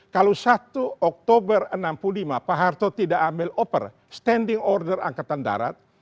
kalau satu oktober enam puluh lima pak harto tidak ambil oper standing order angkatan darat